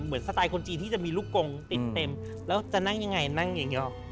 สไตล์คนจีนที่จะมีลูกกงติดเต็มแล้วจะนั่งยังไงนั่งอย่างเดียว